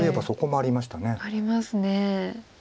ありますね。